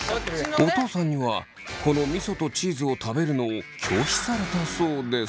お父さんにはこのみそとチーズを食べるのを拒否されたそうです。